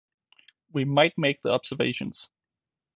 We might make the observations